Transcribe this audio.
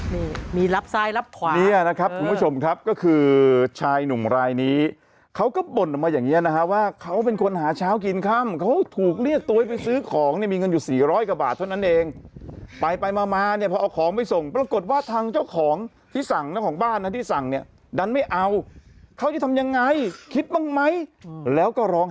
นี่มีรับซ้ายรับขวาเนี่ยนะครับคุณผู้ชมครับก็คือชายหนุ่มรายนี้เขาก็บ่นออกมาอย่างเงี้นะฮะว่าเขาเป็นคนหาเช้ากินค่ำเขาถูกเรียกตัวให้ไปซื้อของเนี่ยมีเงินอยู่สี่ร้อยกว่าบาทเท่านั้นเองไปไปมามาเนี่ยพอเอาของไปส่งปรากฏว่าทางเจ้าของที่สั่งเจ้าของบ้านนะที่สั่งเนี่ยดันไม่เอาเขาจะทำยังไงคิดบ้างไหมแล้วก็ร้อง